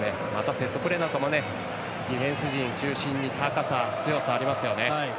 セットプレーなんかもディフェンス陣中心に高さ、強さありますよね。